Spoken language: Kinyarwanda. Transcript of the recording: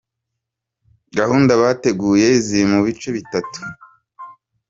Gahunda bateguye ziri mu bice bitatu.